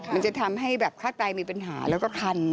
มันจะทำให้แบบฆ่าไตมีปัญหาแล้วก็คัน